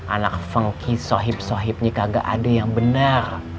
anak funky sohib sohibnya kagak ada yang bener